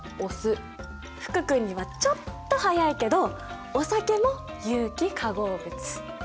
福君にはちょっと早いけどお酒も有機化合物。